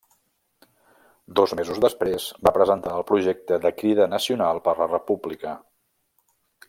Dos mesos després va presentar el projecte de Crida Nacional per la República.